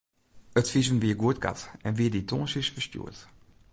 It fisum wie goedkard en wie dy tongersdeis ferstjoerd.